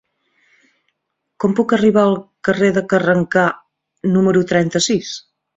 Com puc arribar al carrer de Carrencà número trenta-sis?